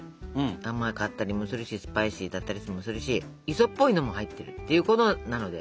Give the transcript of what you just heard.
甘かったりもするしスパイシーだったりもするし磯っぽいのも入ってるっていうことなので。